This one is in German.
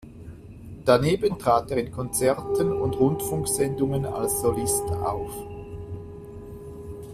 Daneben trat er in Konzerten und Rundfunksendungen als Solist auf.